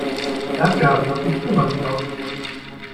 Dafür habe ich auch die Spülmaschine ausgeräumt.